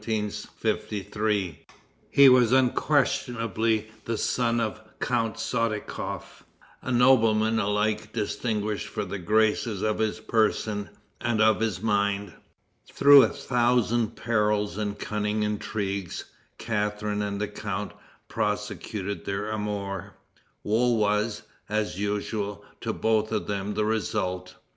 He was unquestionably the son of Count Sottikoff, a nobleman alike distinguished for the graces of his person and of his mind. Through a thousand perils and cunning intrigues, Catharine and the count prosecuted their amour. Woe was, as usual, to both of them the result.